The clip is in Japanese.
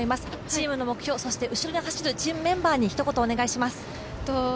チームの目標、そして後ろで走るチームメンバーに一言お願いします。